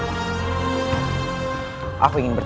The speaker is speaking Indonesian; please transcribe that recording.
tidak akan terus